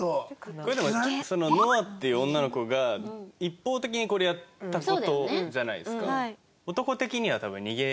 これでものあっていう女の子が一方的にこれやった事じゃないですか。